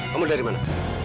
kamu dari mana